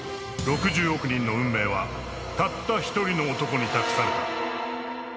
［６０億人の運命はたった１人の男に託された］